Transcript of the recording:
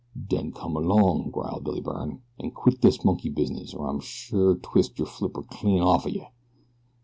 "Den come along," growled Billy Byrne, "an' quit dis monkey business, or I'll sure twist yer flipper clean off'n yeh."